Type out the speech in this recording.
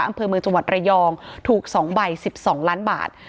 อำเภอเมืองจังหวัดระยองถูก๒ใบ๑๒ล้านบาท